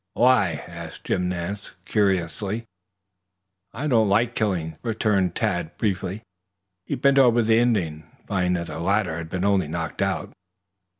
"Why?" asked Jim Nance curiously. "I don't like killings," returned Tad briefly. He bent over the Indian, finding that the latter had been only knocked out.